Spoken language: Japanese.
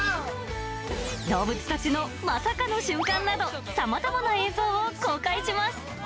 動物たちのまさかの瞬間など、さまざまな映像を公開します。